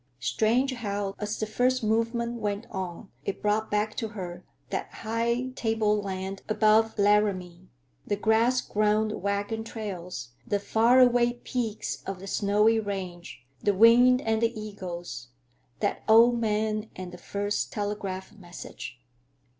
Strange how, as the first movement went on, it brought back to her that high tableland above Laramie; the grass grown wagon trails, the far away peaks of the snowy range, the wind and the eagles, that old man and the first telegraph message.